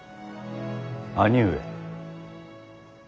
兄上。